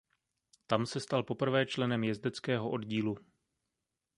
Tam se stal poprvé členem jezdeckého oddílu.